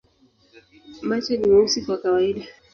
Macho ni meusi kwa kawaida.